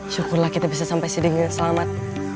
syukurlah kita bisa sampai seding selamat